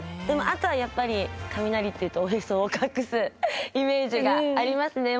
あとはやっぱり雷っていうとおへそを隠すイメージがありますね。